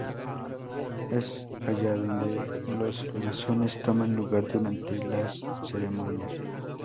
Es allá donde los masones toman lugar durante las ceremonias.